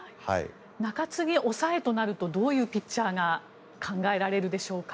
中継ぎ、抑えとなるとどういうピッチャーが考えられるでしょうか。